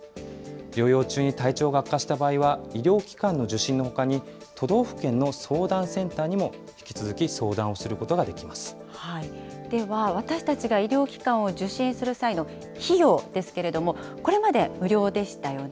療養中に体調が悪化した場合は、医療機関の受診のほかに、都道府県の相談センターにも引き続き相では、私たちが医療機関を受診する際の費用ですけれども、これまで無料でしたよね。